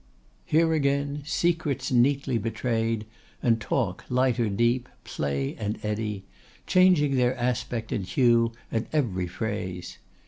Here, again, secrets neatly betrayed, and talk, light or deep, play and eddy, changing their aspect and hue at every phrase.